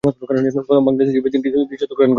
প্রথম বাংলাদেশী হিসেবে তিনটি দ্বি-শতক রান করেছেন।